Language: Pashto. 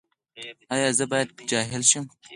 ایا زه باید جاهل شم؟